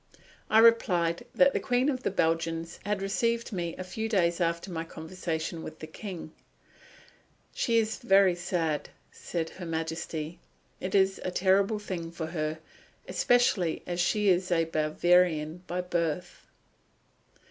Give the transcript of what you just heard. I replied that the Queen of the Belgians had received me a few days after my conversation with the King. "She is very sad," said Her Majesty. "It is a terrible thing for her, especially as she is a Bavarian by birth."